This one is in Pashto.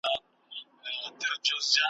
د څرمنو له بد بویه یې زړه داغ وو ,